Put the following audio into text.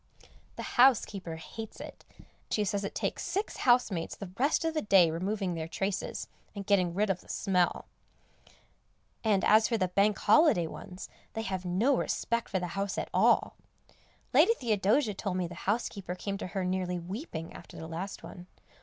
The housekeeper hates it; she says it takes six housemaids the rest of the day removing their traces, and getting rid of the smell. And as for the Bank Holiday ones, they have no respect for the house at all. Lady Theodosia told me the housekeeper came to her nearly weeping after the last one.